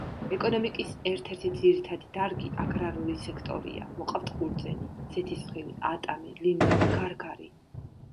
ეკონომიკის ერთ-ერთი ძირითადი დარგი აგრარული სექტორია, მოყავთ ყურძენი, ზეთისხილი, ატამი, ლიმონი, გარგარი.